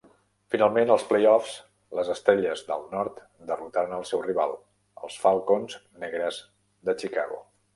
Finalment, als playoffs, les estrelles del nord derrotaren el seu rival, els falcons negres de Chicago.